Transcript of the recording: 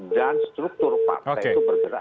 dan struktur partai itu bergerak